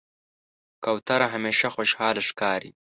کوتره همیشه خوشحاله ښکاري.